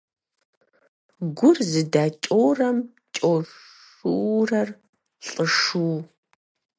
Гур зыдакӀорэм кӀошъурэр лӀышӀу.